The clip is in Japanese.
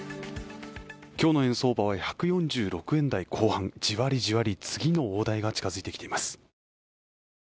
今日の円相場は１４６円台後半、じわりじわり、次の大台が近づいてきています。